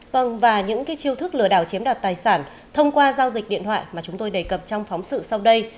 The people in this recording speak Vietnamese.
vâng và những chiêu thức lừa đảo chiếm đoạt tài sản thông qua giao dịch điện thoại mà chúng tôi đề cập trong phóng sự sau đây